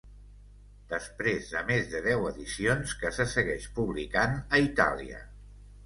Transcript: Després de més de deu edicions, que se segueix publicant a Itàlia.